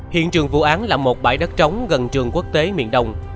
hiện trường vụ án là một bãi đất trống gần trường quốc tế miền đông